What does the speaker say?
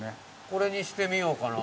これにしてみようかな。